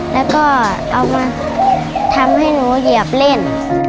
แล้วก็เอามาทำให้หนูเหยียบเล่น